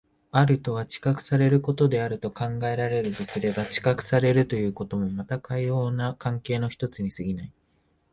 あるとは知覚されることであると考えられるとすれば、知覚されるということもまたかような関係の一つに過ぎない。